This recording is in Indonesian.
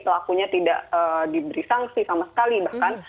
pelakunya tidak diberi sanksi sama sekali bahkan